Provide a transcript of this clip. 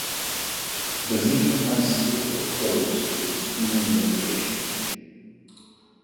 Bazine High School was closed through school unification.